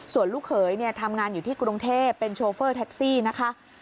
ส่วนลูกเขยทำงานอยู่ที่กรุงเทพเป็นโชเฟอร์แท็กซี่นะคะ